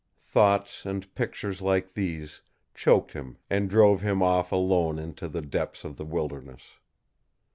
Thoughts and pictures like these choked him and drove him off alone into the depths of the wilderness.